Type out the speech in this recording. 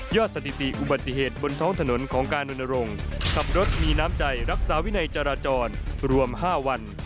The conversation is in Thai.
สถิติอุบัติเหตุบนท้องถนนของการรณรงค์ขับรถมีน้ำใจรักษาวินัยจราจรรวม๕วัน